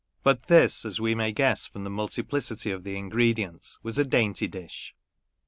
But this, as we may guess from the multiplicity of the ingredients, was a dainty dish.